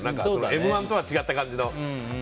「Ｍ‐１」とは違った感じの。